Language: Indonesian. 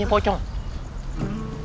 ya tau tapi rhodes